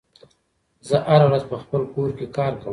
زه هره ورځ په خپل کور کې کار کوم.